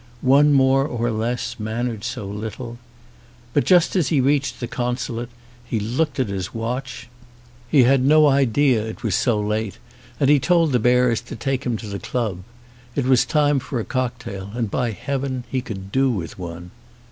One more or less mattered so little. But just as he reached the consulate he looked at his watch, he had no idea it was so late, 229 ON A CHINESE SCBEEN and he told the bearers to take him to the club. It was time for a cocktail and by heaven he could do with one.